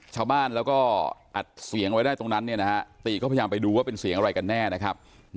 ชาวบ้านแล้วก็อัดเสียงไว้ได้ตรงนั้นตีก็พยายามไปดูว่าเป็นเสียงอะไรกันแน่นะครับ